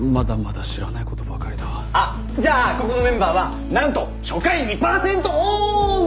じゃあここのメンバーはなんと初回２パーセントオフ！